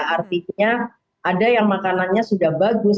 artinya ada yang makanannya sudah bagus